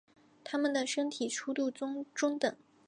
它们的身体粗度中等。